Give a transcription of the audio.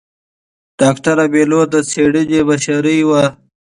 ډاکتره بېلوت د څېړنې مشرې وه.